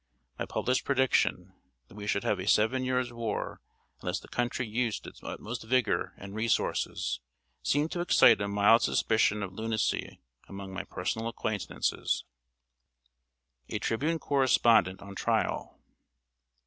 My published prediction, that we should have a seven years' war unless the country used its utmost vigor and resources, seemed to excite a mild suspicion of lunacy among my personal acquaintances. [Sidenote: A TRIBUNE CORRESPONDENT ON TRIAL.